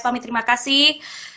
pamit terima kasih